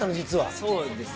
そうです。